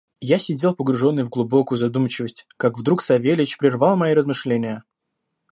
Я сидел погруженный в глубокую задумчивость, как вдруг Савельич прервал мои размышления.